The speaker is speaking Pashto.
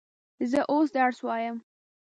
زه اوس درس وایم.